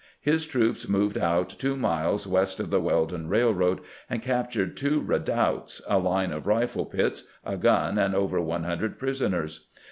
His troops moved out two miles west of the Weldon Eailroad, and captured two redoubts, a line of rifle pits, a gun, and over one hundred prisoners.